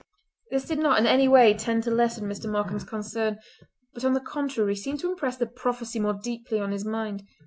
This did not in any way tend to lessen Mr. Markam's concern, but on the contrary seemed to impress the prophecy more deeply on his mind.